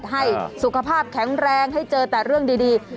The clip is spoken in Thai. ให้สุขภาพแข็งแรงให้เจอแต่เรื่องดี